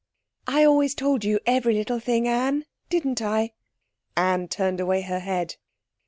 'I always told you every little thing, Anne didn't I?' Anne turned away her head.